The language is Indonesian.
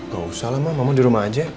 gak usah lah mah mama di rumah aja